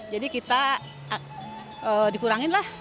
jadi kita dikurangin lah